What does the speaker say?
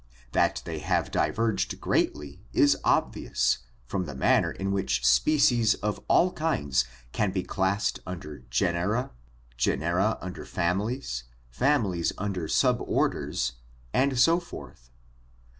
That they have diverged greatly is obvious from the manner in which species of all kinds can be classed under genera, genera under families, families under suborders and so forth.